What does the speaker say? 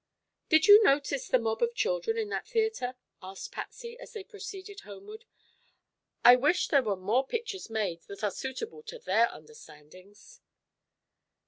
"Did you notice the mob of children in that theatre?" asked Patsy, as they proceeded homeward. "I wish there were more pictures made that are suitable to their understandings."